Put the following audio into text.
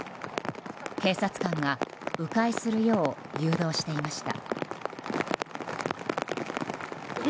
警察官が迂回するよう誘導していました。